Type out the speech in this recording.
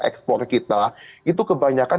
ekspor kita itu kebanyakan